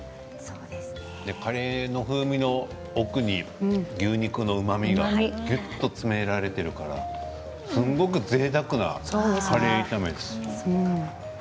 カレーの風味の奥に牛肉のうまみがぎゅっと詰められているからすごくぜいたくなカレー炒め。